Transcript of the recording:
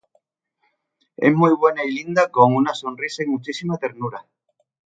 Es muy buena y linda con una sonrisa y muchísima ternura.